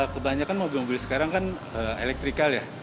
kebanyakan mobil mobil sekarang kan elektrikal ya